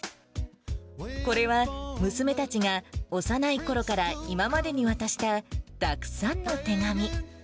これは娘たちが幼いころから今までに渡した、たくさんの手紙。